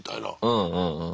うんうんうん。